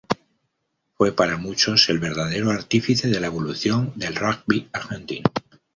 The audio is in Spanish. Fue para muchos el verdadero artífice de la evolución del rugby argentino.